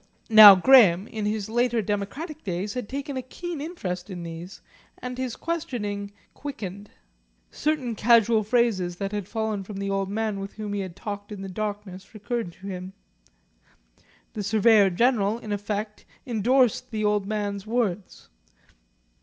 Now, Graham, in his later democratic days, had taken a keen interest in these and his questioning quickened. Certain casual phrases that had fallen from the old man with whom he had talked in the darkness recurred to him. The Surveyor General, in effect, endorsed the old man's words.